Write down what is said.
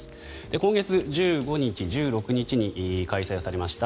今月１５日１６日に開催されました